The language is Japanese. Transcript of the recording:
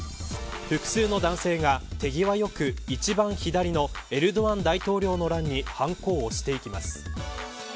複数の男性が手際よく一番左のエルドアン大統領の欄にはんこを押していきます。